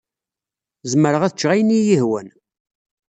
Zemreɣ ad ččeɣ ayen iyi-yehwan.